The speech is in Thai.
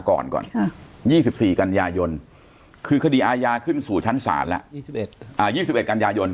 ก่อนครับ๒๔กัญญาโยนคือคดีอาญาขึ้นสู่ชั้นศาลแล้ว๒๑